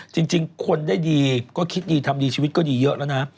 จริงคนได้ดีก็คิดดีทำดีชีวิตก็ดีเยอะแล้วนะ